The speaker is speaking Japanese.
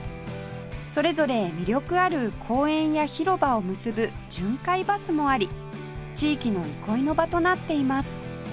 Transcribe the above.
それぞれ魅力ある公園や広場を結ぶ巡回バスもあり地域の憩いの場となっています